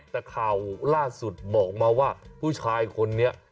แต่ข่าวล่าสุดบอกมาว่าผู้ชายคนนี้